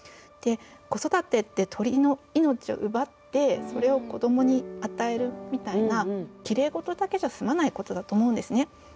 子育てって鳥の命を奪ってそれを子供に与えるみたいなきれいごとだけじゃ済まないことだと思うんですね。